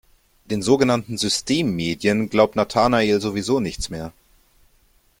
Den sogenannten Systemmedien glaubt Nathanael sowieso nichts mehr.